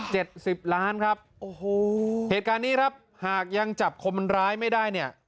สิบล้านครับโอ้โหเหตุการณ์นี้ครับหากยังจับคนร้ายไม่ได้เนี่ย